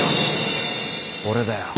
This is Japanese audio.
俺だよ。